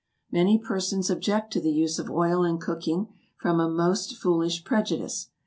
Many persons object to the use of oil in cooking, from a most foolish prejudice.